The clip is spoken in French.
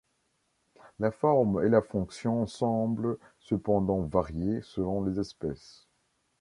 La forme et la fonction semblent cependant varier selon les espèces.